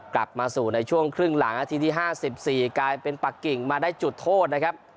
กลับมาสู่ในช่วงครึ่งหลังนาทีที่๕๔กลายเป็นปักกิ่งมาได้จุดโทษนะครับ